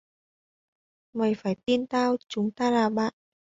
Mày phải tin tao chúng ta là bạn